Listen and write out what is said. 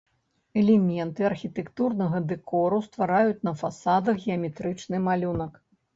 Элементы архітэктурнага дэкору ствараюць на фасадах геаметрычны малюнак.